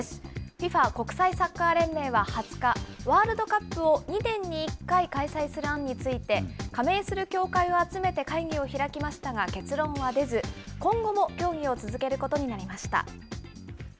ＦＩＦＡ・国際サッカー連盟は２０日、ワールドカップを２年に１回開催する案について、加盟する協会を集めて会議を開きましたが、結論は出ず、今後も協議を続けることになりました。